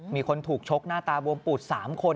มีคนถูกชกหน้าตาบวมปูด๓คน